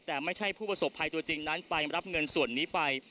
แต่ไม่ใช่ผู้ประสบภัยตัวจริงนั้นไปรับเงินส่วนนี้ไป